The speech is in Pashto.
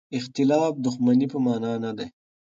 اختلاف د دښمنۍ په مانا نه دی.